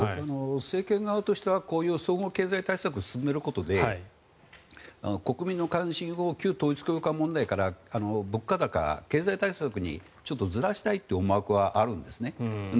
政権側としてはこういう総合経済対策を進めることで国民の関心を旧統一教会問題から物価高対策にちょっとずらしたいという思惑はあるんですね。